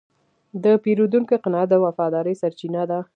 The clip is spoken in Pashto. د پیرودونکي قناعت د وفادارۍ سرچینه ده.